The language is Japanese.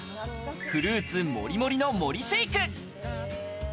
フルーツもりもりの森シェイク。